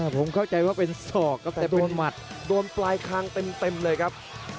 ผมเข้าใจว่าเป็นศอกครับแต่โดนหมัดโดนปลายคางเต็มเลยครับ